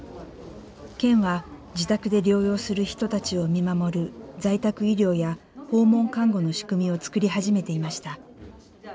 県は自宅で療養する人たちを見守る在宅医療や訪問看護の仕組みを作り始めていました。